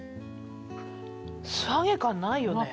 素揚げ感ないよね。